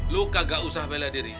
lo kagak usah bela diri